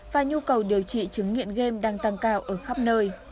và nhu cầu điều trị chứng nghiện game đang tăng cao ở khắp nơi